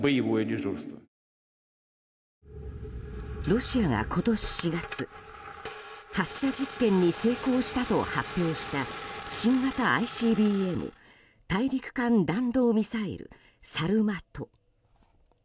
ロシアが今年４月発射実験に成功したと発表した新型ＩＣＢＭ・大陸間弾道ミサイル、サルマト。